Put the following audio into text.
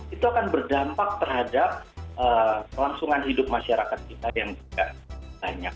itu akan berdampak terhadap kelangsungan hidup masyarakat kita yang tidak banyak